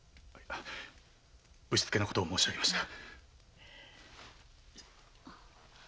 ぶしつけなことを申し上げました。